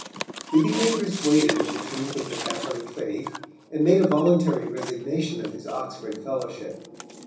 He became persuaded of the truth of the Catholic faith, and made a voluntary resignation of his Oxford fellowship.